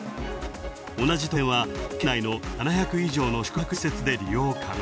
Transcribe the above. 同じ特典は、県内の７００以上の宿泊施設で利用可能。